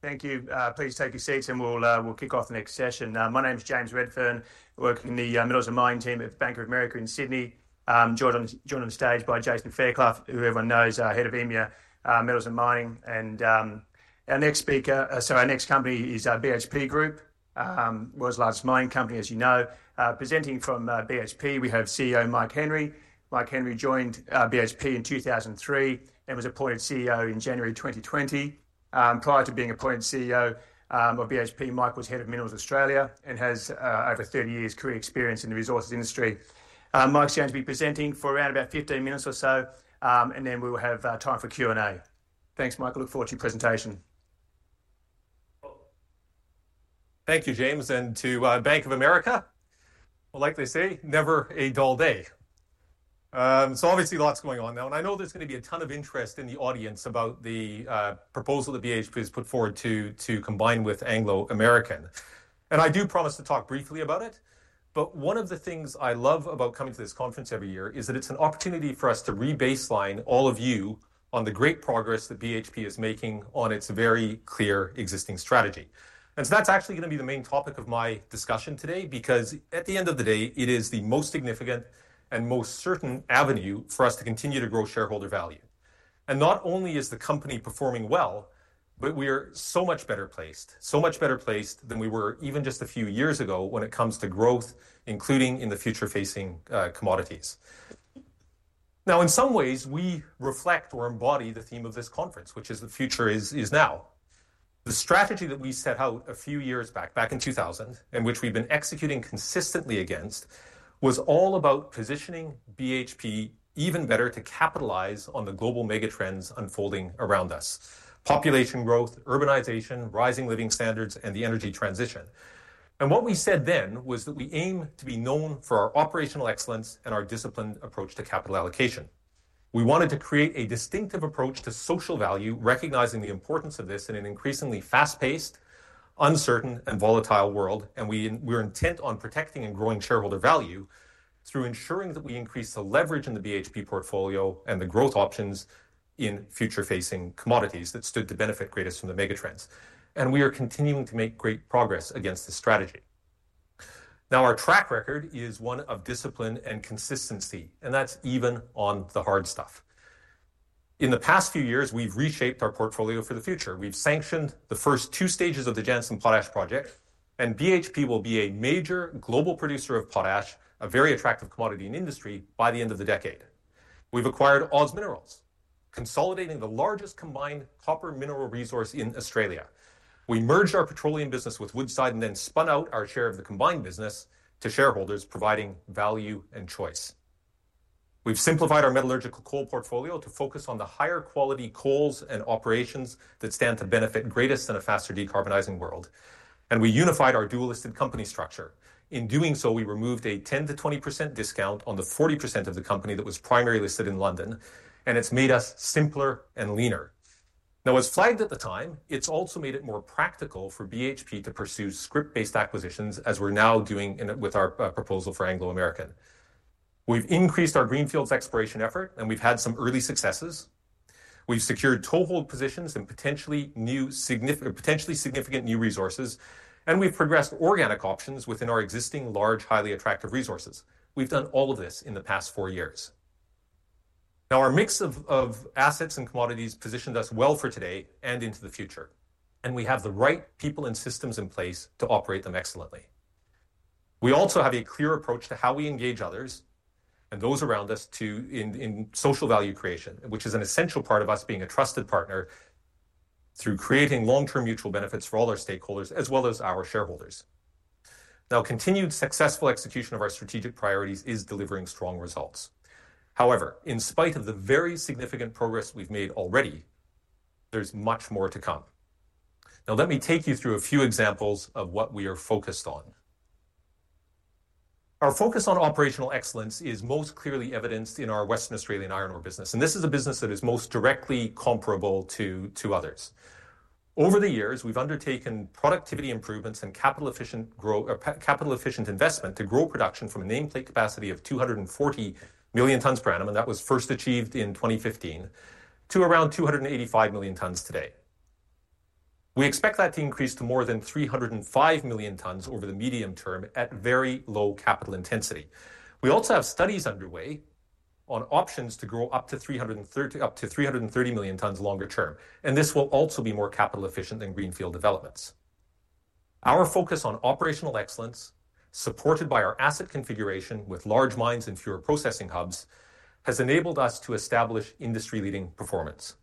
Thank you. Please take your seats, and we'll kick off the next session. My name's James Redfern, working in the Metals and Mining team at the Bank of America in Sydney. Joined on stage by Jason Fairclough, who everyone knows as head of EMEA Metals and Mining. And our next speaker, sorry, our next company is BHP Group, world's largest mining company, as you know. Presenting from BHP, we have CEO Mike Henry. Mike Henry joined BHP in 2003 and was appointed CEO in January 2020. Prior to being appointed CEO of BHP, Mike was head of Minerals Australia and has over 30 years' career experience in the resources industry. Mike's going to be presenting for around about 15 minutes or so, and then we will have time for Q&A. Thanks, Mike. Look forward to your presentation. Thank you, James. To Bank of America, we'll likely say, "Never a dull day." Obviously, lots going on now. I know there's going to be a ton of interest in the audience about the proposal that BHP has put forward to combine with Anglo American. I do promise to talk briefly about it. But one of the things I love about coming to this conference every year is that it's an opportunity for us to rebaseline all of you on the great progress that BHP is making on its very clear existing strategy. That's actually going to be the main topic of my discussion today, because at the end of the day, it is the most significant and most certain avenue for us to continue to grow shareholder value. Not only is the company performing well, but we are so much better placed, so much better placed than we were even just a few years ago when it comes to growth, including in the future-facing commodities. Now, in some ways, we reflect or embody the theme of this conference, which is, "The future is now." The strategy that we set out a few years back, back in 2000, and which we've been executing consistently against, was all about positioning BHP even better to capitalize on the global megatrends unfolding around us: population growth, urbanization, rising living standards, and the energy transition. What we said then was that we aim to be known for our operational excellence and our disciplined approach to capital allocation. We wanted to create a distinctive approach to social value, recognizing the importance of this in an increasingly fast-paced, uncertain, and volatile world. We were intent on protecting and growing shareholder value through ensuring that we increase the leverage in the BHP portfolio and the growth options in future-facing commodities that stood to benefit greatest from the megatrends. We are continuing to make great progress against this strategy. Now, our track record is one of discipline and consistency, and that's even on the hard stuff. In the past few years, we've reshaped our portfolio for the future. We've sanctioned the first two stages of the Jansen Potash Project, and BHP will be a major global producer of potash, a very attractive commodity in industry by the end of the decade. We've acquired OZ Minerals, consolidating the largest combined copper mineral resource in Australia. We merged our petroleum business with Woodside and then spun out our share of the combined business to shareholders, providing value and choice. We've simplified our metallurgical coal portfolio to focus on the higher quality coals and operations that stand to benefit greatest in a faster decarbonizing world. We unified our dual-listed company structure. In doing so, we removed a 10%-20% discount on the 40% of the company that was primarily listed in London. It's made us simpler and leaner. Now, as flagged at the time, it's also made it more practical for BHP to pursue scrip-based acquisitions, as we're now doing with our proposal for Anglo American. We've increased our greenfields exploration effort, and we've had some early successes. We've secured toehold positions and potentially significant new resources. We've progressed organic options within our existing large, highly attractive resources. We've done all of this in the past four years. Now, our mix of assets and commodities positioned us well for today and into the future. We have the right people and systems in place to operate them excellently. We also have a clear approach to how we engage others and those around us in social value creation, which is an essential part of us being a trusted partner through creating long-term mutual benefits for all our stakeholders, as well as our shareholders. Now, continued successful execution of our strategic priorities is delivering strong results. However, in spite of the very significant progress we've made already, there's much more to come. Now, let me take you through a few examples of what we are focused on. Our focus on operational excellence is most clearly evidenced in our Western Australian Iron Ore business, and this is a business that is most directly comparable to others. Over the years, we've undertaken productivity improvements and capital-efficient investment to grow production from a nameplate capacity of 240 million tons per annum, and that was first achieved in 2015, to around 285 million tons today. We expect that to increase to more than 305 million tons over the medium term at very low capital intensity. We also have studies underway on options to grow up to 330 million tons longer term, and this will also be more capital-efficient than greenfield developments. Our focus on operational excellence, supported by our asset configuration with large mines and fewer processing hubs, has enabled us to establish industry-leading performance.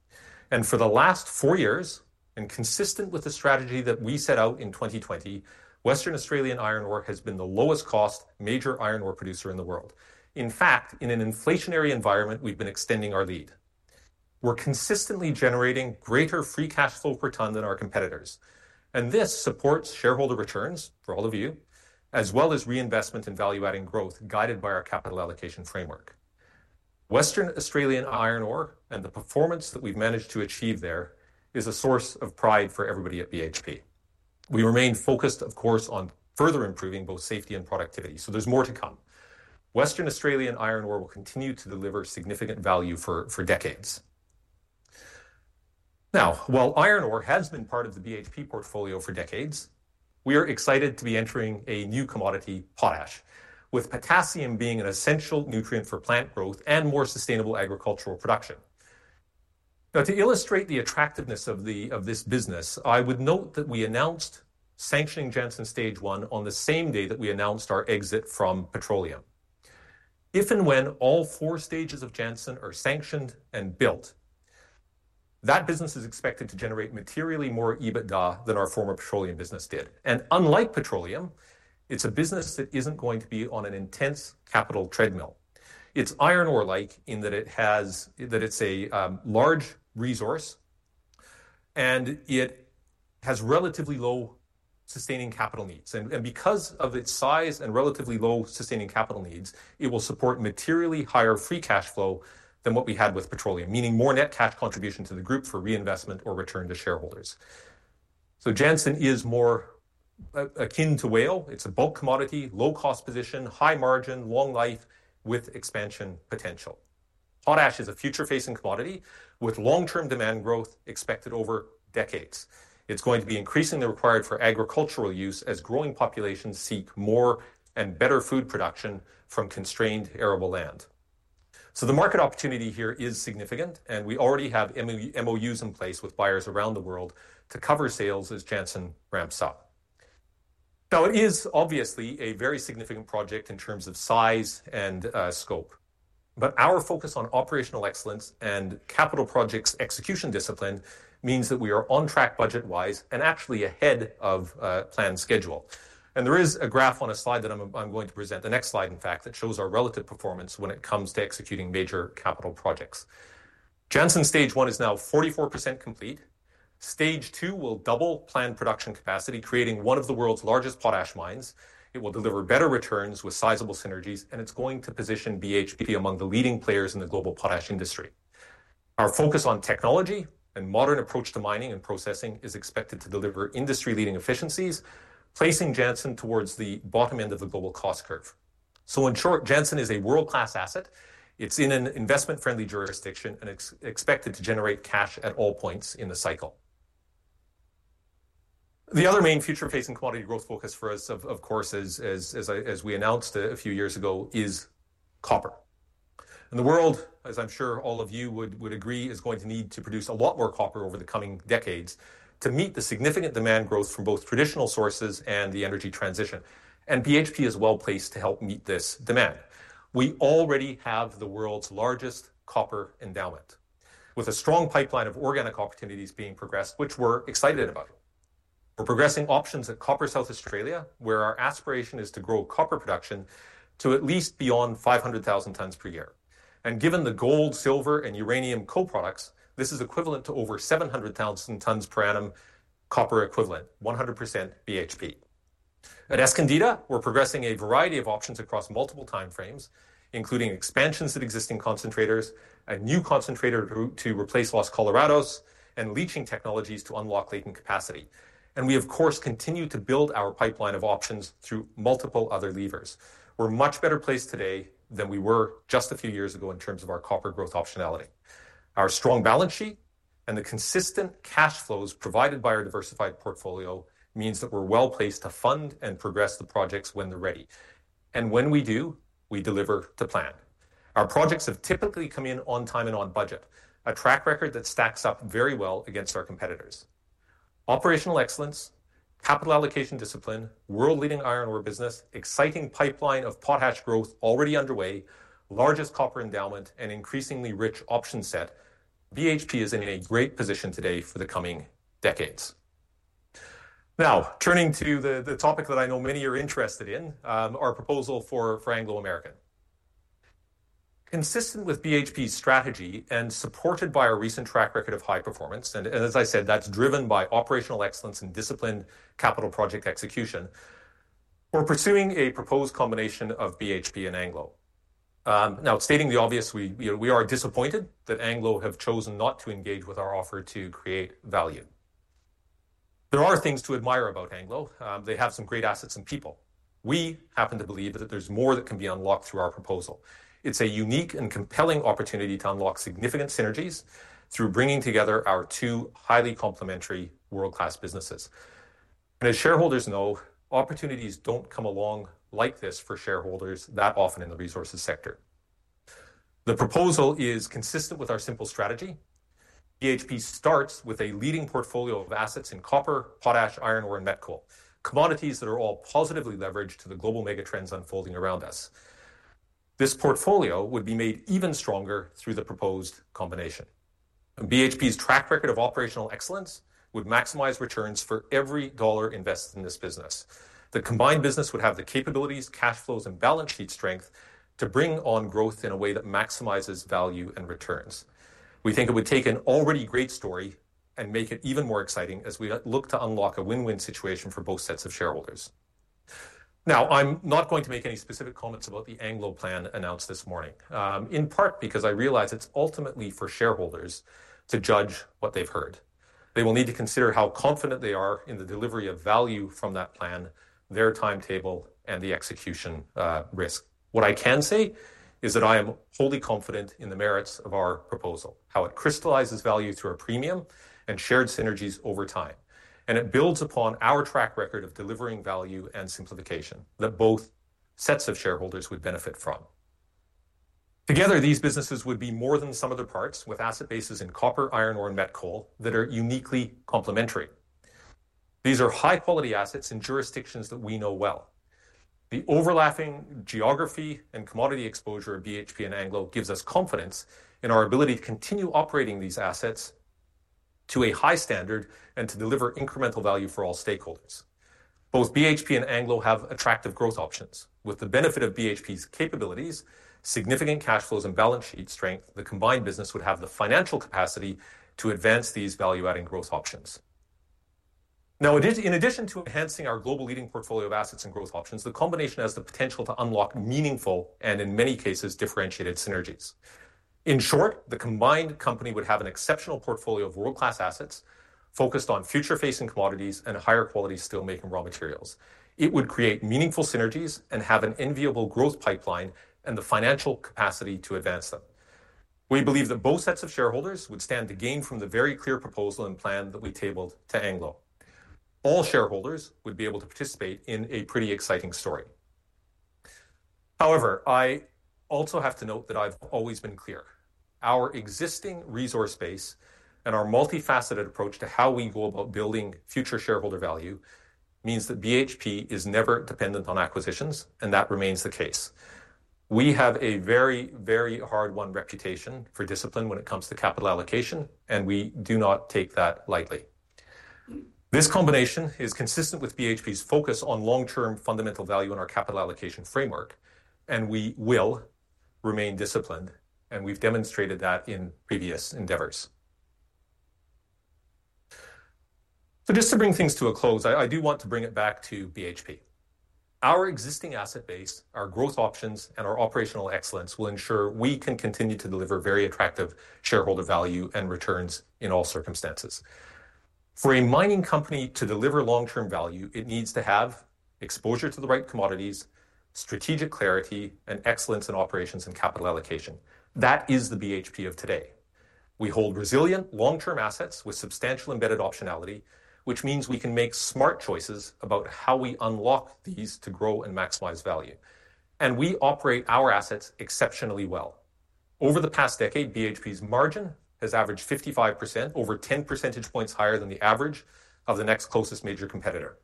And for the last four years, and consistent with the strategy that we set out in 2020, Western Australia Iron Ore has been the lowest-cost major iron ore producer in the world. In fact, in an inflationary environment, we've been extending our lead. We're consistently generating greater free cash flow per ton than our competitors. This supports shareholder returns for all of you, as well as reinvestment and value-adding growth guided by our capital allocation framework. Western Australia Iron Ore and the performance that we've managed to achieve there is a source of pride for everybody at BHP. We remain focused, of course, on further improving both safety and productivity, so there's more to come. Western Australia Iron Ore will continue to deliver significant value for decades. Now, while iron ore has been part of the BHP portfolio for decades, we are excited to be entering a new commodity, potash, with potassium being an essential nutrient for plant growth and more sustainable agricultural production. Now, to illustrate the attractiveness of this business, I would note that we announced sanctioning Jansen stage one on the same day that we announced our exit from petroleum. If and when all four stages of Jansen are sanctioned and built, that business is expected to generate materially more EBITDA than our former petroleum business did. And unlike petroleum, it's a business that isn't going to be on an intense capital treadmill. It's iron ore-like in that it has that it's a large resource. And it has relatively low sustaining capital needs. And because of its size and relatively low sustaining capital needs, it will support materially higher free cash flow than what we had with petroleum, meaning more net cash contribution to the group for reinvestment or return to shareholders. So Jansen is more akin to WAIO. It's a bulk commodity, low-cost position, high margin, long life, with expansion potential. Potash is a future-facing commodity with long-term demand growth expected over decades. It's going to be increasingly required for agricultural use as growing populations seek more and better food production from constrained arable land. The market opportunity here is significant, and we already have MOUs in place with buyers around the world to cover sales as Jansen ramps up. Now, it is obviously a very significant project in terms of size and scope. Our focus on operational excellence and capital projects execution discipline means that we are on track budget-wise and actually ahead of planned schedule. There is a graph on a slide that I'm going to present, the next slide, in fact, that shows our relative performance when it comes to executing major capital projects. Jansen stage one is now 44% complete. Stage two will double planned production capacity, creating one of the world's largest potash mines. It will deliver better returns with sizable synergies, and it's going to position BHP among the leading players in the global potash industry. Our focus on technology and modern approach to mining and processing is expected to deliver industry-leading efficiencies, placing Jansen towards the bottom end of the global cost curve. So in short, Jansen is a world-class asset. It's in an investment-friendly jurisdiction and expected to generate cash at all points in the cycle. The other main future-facing commodity growth focus for us, of course, as we announced a few years ago, is copper. And the world, as I'm sure all of you would agree, is going to need to produce a lot more copper over the coming decades to meet the significant demand growth from both traditional sources and the energy transition. BHP is well placed to help meet this demand. We already have the world's largest copper endowment, with a strong pipeline of organic opportunities being progressed, which we're excited about. We're progressing options at Copper South Australia, where our aspiration is to grow copper production to at least beyond 500,000 tons per year. Given the gold, silver, and uranium co-products, this is equivalent to over 700,000 tons per annum copper equivalent, 100% BHP. At Escondida, we're progressing a variety of options across multiple timeframes, including expansions at existing concentrators, a new concentrator to replace Los Colorados, and leaching technologies to unlock latent capacity. We, of course, continue to build our pipeline of options through multiple other levers. We're much better placed today than we were just a few years ago in terms of our copper growth optionality. Our strong balance sheet and the consistent cash flows provided by our diversified portfolio mean that we're well placed to fund and progress the projects when they're ready. And when we do, we deliver to plan. Our projects have typically come in on time and on budget, a track record that stacks up very well against our competitors. Operational excellence, capital allocation discipline, world-leading iron ore business, exciting pipeline of potash growth already underway, largest copper endowment, and increasingly rich option set, BHP is in a great position today for the coming decades. Now, turning to the topic that I know many are interested in, our proposal for Anglo American. Consistent with BHP's strategy and supported by our recent track record of high performance, and as I said, that's driven by operational excellence and disciplined capital project execution, we're pursuing a proposed combination of BHP and Anglo. Now, stating the obvious, we are disappointed that Anglo have chosen not to engage with our offer to create value. There are things to admire about Anglo. They have some great assets and people. We happen to believe that there's more that can be unlocked through our proposal. It's a unique and compelling opportunity to unlock significant synergies through bringing together our two highly complementary world-class businesses. And as shareholders know, opportunities don't come along like this for shareholders that often in the resources sector. The proposal is consistent with our simple strategy. BHP starts with a leading portfolio of assets in copper, potash, iron ore, and met coal, commodities that are all positively leveraged to the global megatrends unfolding around us. This portfolio would be made even stronger through the proposed combination. And BHP's track record of operational excellence would maximize returns for every dollar invested in this business. The combined business would have the capabilities, cash flows, and balance sheet strength to bring on growth in a way that maximizes value and returns. We think it would take an already great story and make it even more exciting as we look to unlock a win-win situation for both sets of shareholders. Now, I'm not going to make any specific comments about the Anglo plan announced this morning, in part because I realize it's ultimately for shareholders to judge what they've heard. They will need to consider how confident they are in the delivery of value from that plan, their timetable, and the execution risk. What I can say is that I am wholly confident in the merits of our proposal, how it crystallizes value through a premium and shared synergies over time. It builds upon our track record of delivering value and simplification that both sets of shareholders would benefit from. Together, these businesses would be more than the sum of their parts with asset bases in copper, iron ore, and met coal that are uniquely complementary. These are high-quality assets in jurisdictions that we know well. The overlapping geography and commodity exposure of BHP and Anglo gives us confidence in our ability to continue operating these assets to a high standard and to deliver incremental value for all stakeholders. Both BHP and Anglo have attractive growth options. With the benefit of BHP's capabilities, significant cash flows, and balance sheet strength, the combined business would have the financial capacity to advance these value-adding growth options. Now, in addition to enhancing our global leading portfolio of assets and growth options, the combination has the potential to unlock meaningful and, in many cases, differentiated synergies. In short, the combined company would have an exceptional portfolio of world-class assets focused on future-facing commodities and higher-quality steelmaking raw materials. It would create meaningful synergies and have an enviable growth pipeline and the financial capacity to advance them. We believe that both sets of shareholders would stand to gain from the very clear proposal and plan that we tabled to Anglo. All shareholders would be able to participate in a pretty exciting story. However, I also have to note that I've always been clear. Our existing resource base and our multifaceted approach to how we go about building future shareholder value means that BHP is never dependent on acquisitions, and that remains the case. We have a very, very hard-won reputation for discipline when it comes to capital allocation, and we do not take that lightly. This combination is consistent with BHP's focus on long-term fundamental value in our capital allocation framework. We will remain disciplined, and we've demonstrated that in previous endeavors. Just to bring things to a close, I do want to bring it back to BHP. Our existing asset base, our growth options, and our operational excellence will ensure we can continue to deliver very attractive shareholder value and returns in all circumstances. For a mining company to deliver long-term value, it needs to have exposure to the right commodities, strategic clarity, and excellence in operations and capital allocation. That is the BHP of today. We hold resilient long-term assets with substantial embedded optionality, which means we can make smart choices about how we unlock these to grow and maximize value. We operate our assets exceptionally well. Over the past decade, BHP's margin has averaged 55%, over 10 percentage points higher than the average of the next closest major competitor.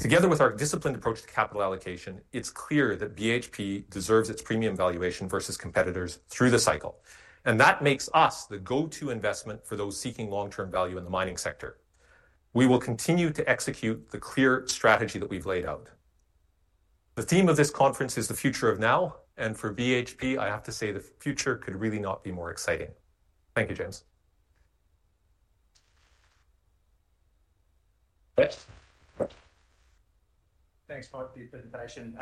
Together with our disciplined approach to capital allocation, it's clear that BHP deserves its premium valuation versus competitors through the cycle. That makes us the go-to investment for those seeking long-term value in the mining sector. We will continue to execute the clear strategy that we've laid out. The theme of this conference is the future of now, and for BHP, I have to say the future could really not be more exciting. Thank you, James. Thanks, Mike, for your presentation.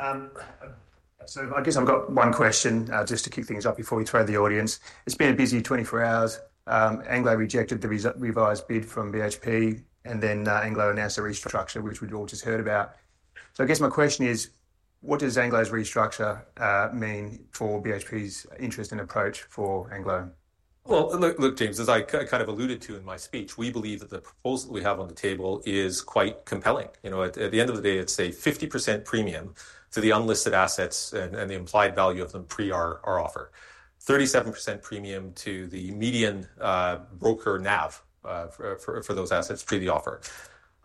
So I guess I've got one question just to kick things off before we throw the audience. It's been a busy 24 hours. Anglo rejected the revised bid from BHP, and then Anglo announced a restructure, which we've all just heard about. So I guess my question is, what does Anglo's restructure mean for BHP's interest and approach for Anglo? Well, look, James, as I kind of alluded to in my speech, we believe that the proposal that we have on the table is quite compelling. At the end of the day, it's a 50% premium to the unlisted assets and the implied value of them pre our offer, 37% premium to the median broker NAV for those assets pre the offer.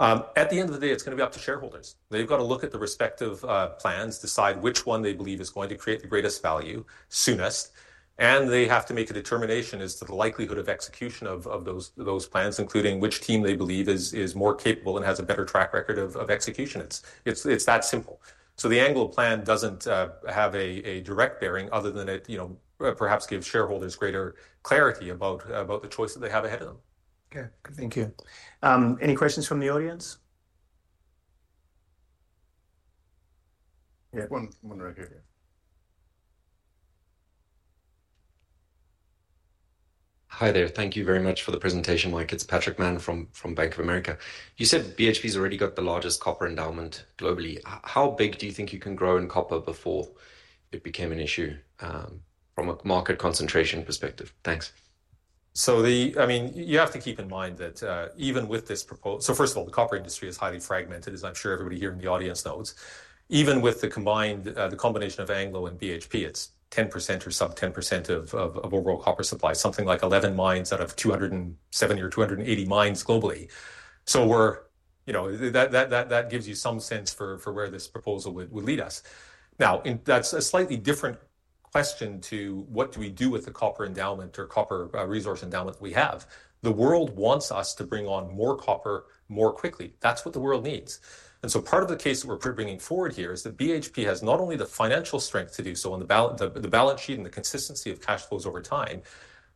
At the end of the day, it's going to be up to shareholders. They've got to look at the respective plans, decide which one they believe is going to create the greatest value soonest. And they have to make a determination as to the likelihood of execution of those plans, including which team they believe is more capable and has a better track record of execution. It's that simple. So the Anglo plan doesn't have a direct bearing other than it perhaps gives shareholders greater clarity about the choice that they have ahead of them. Okay, thank you. Any questions from the audience? Yeah. One right here. Hi there. Thank you very much for the presentation, Mike. It's Patrick Mann from Bank of America. You said BHP's already got the largest copper endowment globally. How big do you think you can grow in copper before it became an issue from a market concentration perspective? Thanks. So I mean, you have to keep in mind that even with this proposal so first of all, the copper industry is highly fragmented, as I'm sure everybody here in the audience knows. Even with the combination of Anglo and BHP, it's 10% or sub-10% of overall copper supply, something like 11 mines out of 207 or 280 mines globally. So that gives you some sense for where this proposal would lead us. Now, that's a slightly different question to what do we do with the copper endowment or copper resource endowment that we have? The world wants us to bring on more copper more quickly. That's what the world needs. And so part of the case that we're bringing forward here is that BHP has not only the financial strength to do so on the balance sheet and the consistency of cash flows over time,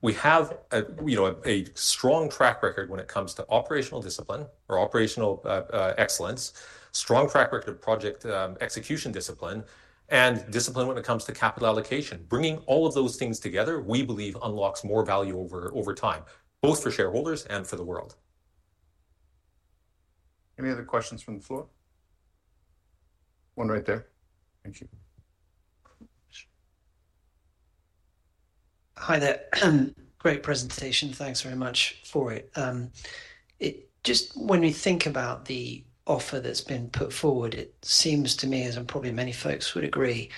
we have a strong track record when it comes to operational discipline or operational excellence, strong track record of project execution discipline, and discipline when it comes to capital allocation. Bringing all of those things together, we believe, unlocks more value over time, both for shareholders and for the world. Any other questions from the floor? One right there. Thank you. Hi there. Great presentation. Thanks very much for it. Just when we think about the offer that's been put forward, it seems to me, as I'm probably many folks would agree,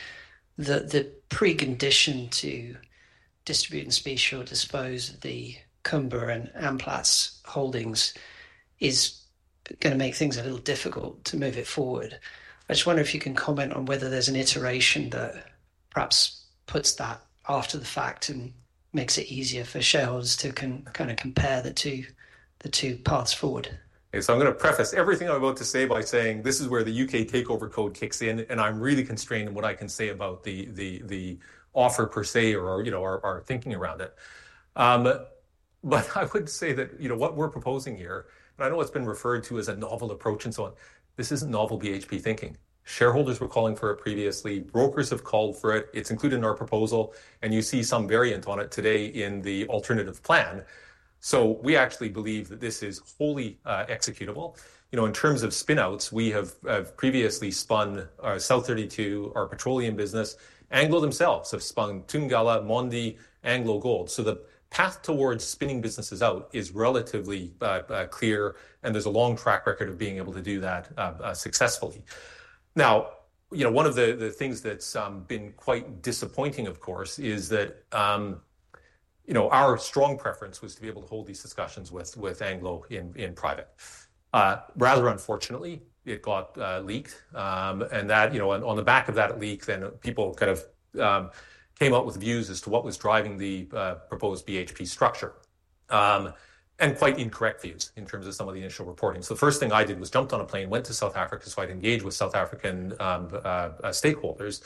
that the precondition to distribute and spatially dispose of the Kumba and Amplats holdings is going to make things a little difficult to move it forward. I just wonder if you can comment on whether there's an iteration that perhaps puts that after the fact and makes it easier for shareholders to kind of compare the two paths forward. Okay, so I'm going to preface everything I'm about to say by saying this is where the U.K. Takeover Code kicks in, and I'm really constrained in what I can say about the offer per se or our thinking around it. But I would say that what we're proposing here, and I know it's been referred to as a novel approach and so on, this isn't novel BHP thinking. Shareholders were calling for it previously, brokers have called for it, it's included in our proposal, and you see some variant on it today in the alternative plan. So we actually believe that this is wholly executable. In terms of spinouts, we have previously spun South32, our petroleum business. Anglo themselves have spun Thungela, Mondi, AngloGold. So the path towards spinning businesses out is relatively clear, and there's a long track record of being able to do that successfully. Now, one of the things that's been quite disappointing, of course, is that our strong preference was to be able to hold these discussions with Anglo in private. Rather unfortunately, it got leaked. On the back of that leak, then people kind of came up with views as to what was driving the proposed BHP structure. Quite incorrect views in terms of some of the initial reporting. The first thing I did was jumped on a plane, went to South Africa so I'd engage with South African stakeholders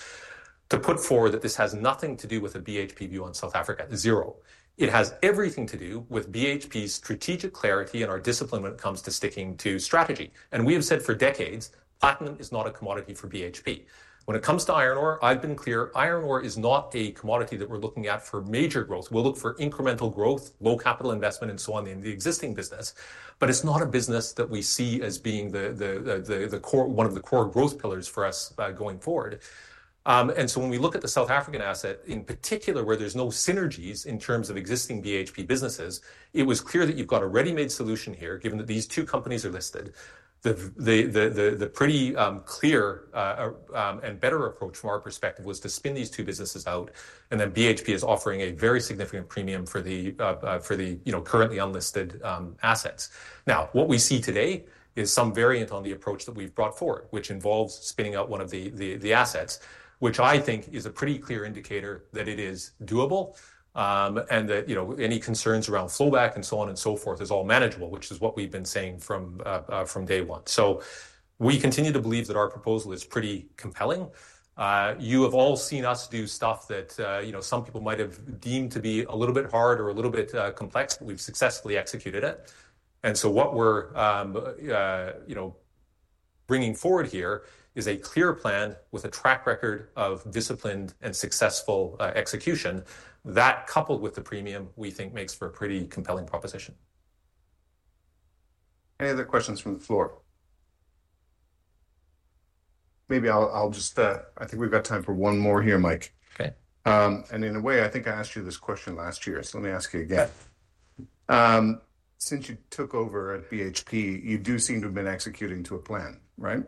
to put forward that this has nothing to do with a BHP view on South Africa, zero. It has everything to do with BHP's strategic clarity and our discipline when it comes to sticking to strategy. We have said for decades, platinum is not a commodity for BHP. When it comes to iron ore, I've been clear, iron ore is not a commodity that we're looking at for major growth. We'll look for incremental growth, low capital investment, and so on in the existing business. But it's not a business that we see as being one of the core growth pillars for us going forward. And so when we look at the South African asset, in particular where there's no synergies in terms of existing BHP businesses, it was clear that you've got a ready-made solution here, given that these two companies are listed. The pretty clear and better approach from our perspective was to spin these two businesses out, and then BHP is offering a very significant premium for the currently unlisted assets. Now, what we see today is some variant on the approach that we've brought forward, which involves spinning out one of the assets, which I think is a pretty clear indicator that it is doable. And that any concerns around flowback and so on and so forth is all manageable, which is what we've been saying from day one. So we continue to believe that our proposal is pretty compelling. You have all seen us do stuff that some people might have deemed to be a little bit hard or a little bit complex, but we've successfully executed it. And so what we're bringing forward here is a clear plan with a track record of disciplined and successful execution that, coupled with the premium, we think makes for a pretty compelling proposition. Any other questions from the floor? Maybe I'll just I think we've got time for one more here, Mike. And in a way, I think I asked you this question last year, so let me ask you again. Since you took over at BHP, you do seem to have been executing to a plan, right?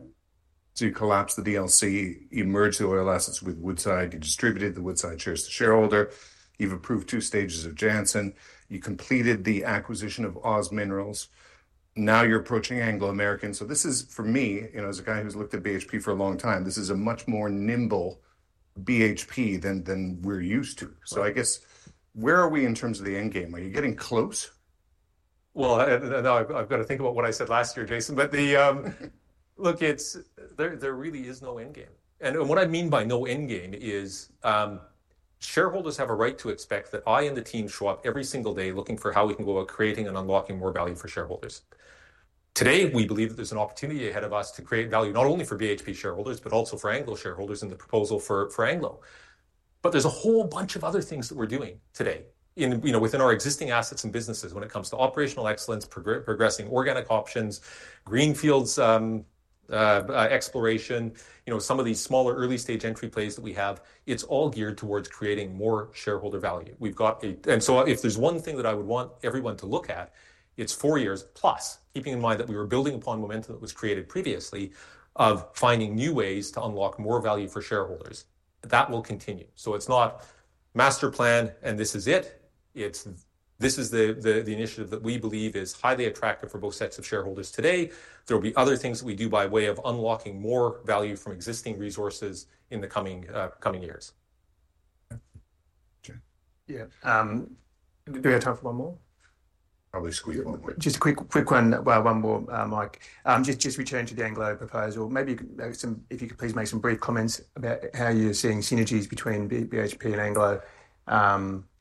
So you collapse the DLC, you merge the oil assets with Woodside, you distributed the Woodside shares to shareholders, you've approved two stages of Jansen, you completed the acquisition of OZ Minerals. Now you're approaching Anglo American. So this is, for me, as a guy who's looked at BHP for a long time, this is a much more nimble BHP than we're used to. So I guess where are we in terms of the endgame? Are you getting close? Well, now I've got to think about what I said last year, Jason, but look, there really is no endgame. And what I mean by no endgame is shareholders have a right to expect that I and the team show up every single day looking for how we can go about creating and unlocking more value for shareholders. Today, we believe that there's an opportunity ahead of us to create value not only for BHP shareholders, but also for Anglo shareholders in the proposal for Anglo. But there's a whole bunch of other things that we're doing today within our existing assets and businesses when it comes to operational excellence, progressing organic options, greenfields exploration, some of these smaller early-stage entry plays that we have, it's all geared towards creating more shareholder value. And so if there's one thing that I would want everyone to look at, it's four years plus, keeping in mind that we were building upon momentum that was created previously of finding new ways to unlock more value for shareholders. That will continue. So it's not master plan and this is it. This is the initiative that we believe is highly attractive for both sets of shareholders today. There will be other things that we do by way of unlocking more value from existing resources in the coming years. Yeah. Do we have time for one more? Probably squeeze one more. Just a quick one, one more, Mike. Just returning to the Anglo proposal, maybe if you could please make some brief comments about how you're seeing synergies between BHP and Anglo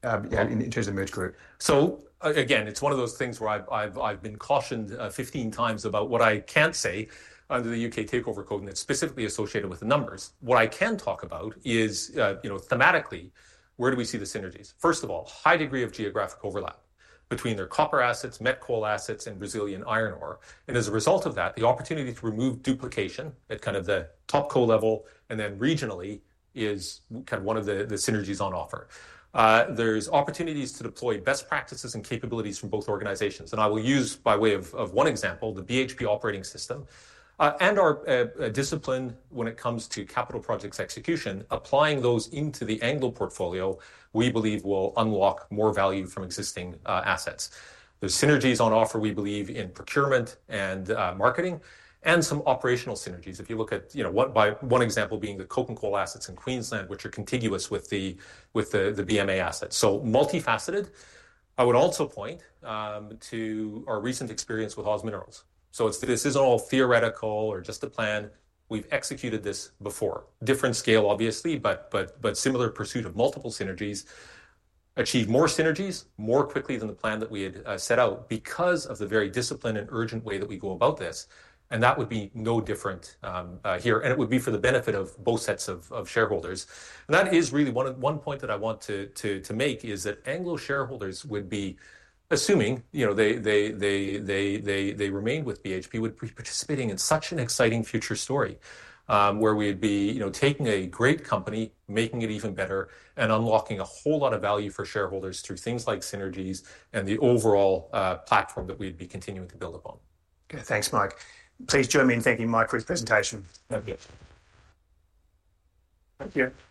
in terms of the merge group. So again, it's one of those things where I've been cautioned 15 times about what I can't say under the UK Takeover Code and it's specifically associated with the numbers. What I can talk about is thematically, where do we see the synergies? First of all, high degree of geographic overlap between their copper assets, met coal assets, and Brazilian iron ore. As a result of that, the opportunity to remove duplication at kind of the TopCo level and then regionally is kind of one of the synergies on offer. There's opportunities to deploy best practices and capabilities from both organizations. I will use by way of one example, the BHP Operating System. Our discipline when it comes to capital projects execution, applying those into the Anglo portfolio, we believe will unlock more value from existing assets. There's synergies on offer, we believe, in procurement and marketing. Some operational synergies, if you look at one example being the coking coal assets in Queensland, which are contiguous with the BMA assets. Multifaceted. I would also point to our recent experience with OZ Minerals. This isn't all theoretical or just a plan. We've executed this before. Different scale, obviously, but similar pursuit of multiple synergies. Achieve more synergies more quickly than the plan that we had set out because of the very disciplined and urgent way that we go about this. And that would be no different here. And it would be for the benefit of both sets of shareholders. And that is really one point that I want to make is that Anglo shareholders would be assuming they remain with BHP would be participating in such an exciting future story where we'd be taking a great company, making it even better, and unlocking a whole lot of value for shareholders through things like synergies and the overall platform that we'd be continuing to build upon. Okay, thanks, Mike. Please join me in thanking Mike for his presentation. Thank you.